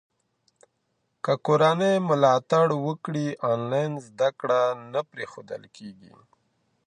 که کورنۍ ملاتړ وکړي، انلاین زده کړه نه پرېښودل کېږي.